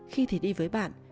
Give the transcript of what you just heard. khi thì đi với bạn